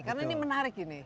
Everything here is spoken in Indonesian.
karena ini menarik ini